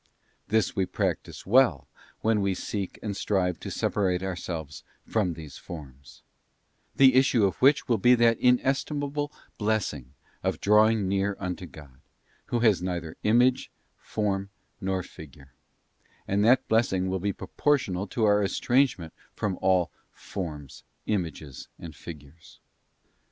This we practise well when we seek and strive to separate ourselves from these forms; the issue of which will be that inestimable blessing of drawing near unto God, who has neither image, form, nor figure; and that blessing will be proportional to our estrangement from all forms, images, and figures.